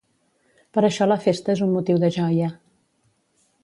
Per això la festa és un motiu de joia.